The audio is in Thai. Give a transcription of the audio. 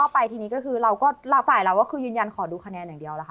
ไปทีนี้ก็คือเราฝ่ายเราคือยืนยันขอดูคะแนนอย่างเดียว